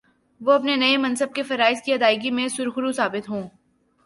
وہ اپنے نئے منصب کے فرائض کی ادائیگی میں سرخرو ثابت ہوں